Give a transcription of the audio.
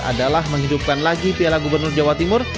adalah menghidupkan lagi piala gubernur jawa timur